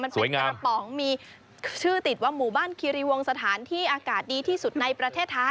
กระป๋องมีชื่อติดว่าหมู่บ้านคิริวงสถานที่อากาศดีที่สุดในประเทศไทย